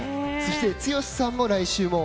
剛さんも来週も。